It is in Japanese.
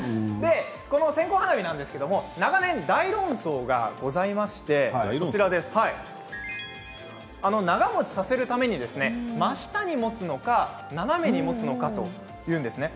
線香花火なんですが長年、大論争がありまして長もちさせるために真下に持つのか、斜めに持つのかというんですね。